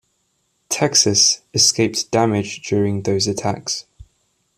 "Texas" escaped damage during those attacks.